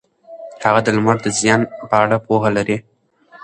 هغه د لمر د زیان په اړه پوهه لري.